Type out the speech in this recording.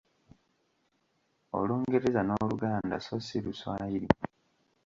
Olungereza n’Oluganda so si Luswayiri.